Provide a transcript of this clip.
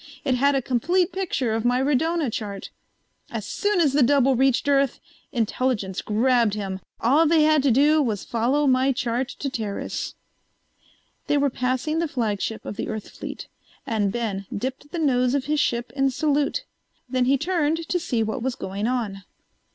It had a complete picture of my radona chart. As soon as the double reached Earth, Intelligence grabbed him. All they had to do was follow my chart to Teris." They were passing the flagship of the Earth fleet, and Ben dipped the nose of his ship in salute. Then he turned to see what was going on.